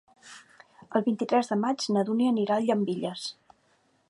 El vint-i-tres de maig na Dúnia anirà a Llambilles.